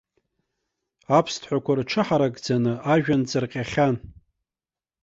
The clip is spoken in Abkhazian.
Аԥсҭҳәақәа рҽыҳаракӡаны ажәҩан ҵырҟьахьан.